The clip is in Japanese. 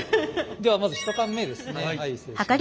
ではまず１缶目ですね。